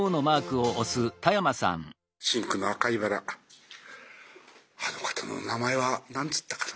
「深紅の赤いバラあの方のお名前は何て言ったかな？